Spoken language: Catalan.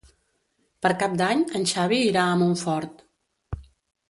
Per Cap d'Any en Xavi irà a Montfort.